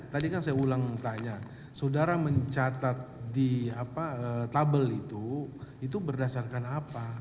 tadi kan saya ulang tanya saudara mencatat di tabel itu itu berdasarkan apa